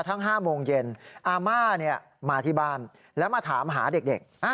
๕โมงเย็นอาม่ามาที่บ้านแล้วมาถามหาเด็ก